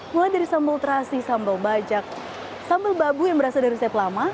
mulai dari sambal terasi sambal bajak sambal babu yang berasal dari resep lama